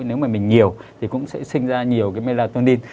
nếu mà mình nhiều thì cũng sẽ sinh ra nhiều cái melatonin